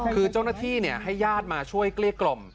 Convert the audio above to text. คือเจ้าหน้าที่ให้ญาติมาช่วยเกลี้ยกล่อม